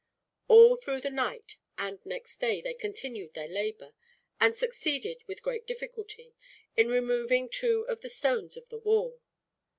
All through the night and next day they continued their labor; and succeeded, with great difficulty, in removing two of the stones of the wall.